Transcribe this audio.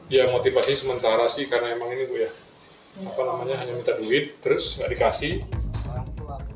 ya motivasi sementara sih karena emang ini bu ya apa namanya hanya minta duit terus nggak dikasih